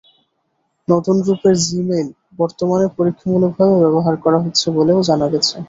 নতুন রূপের জিমেইল বর্তমানে পরীক্ষামূলকভাবে ব্যবহার করা হচ্ছে বলেও জানা গেছে।